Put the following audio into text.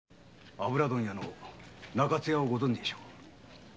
油問屋の中津屋ご存じでしょう？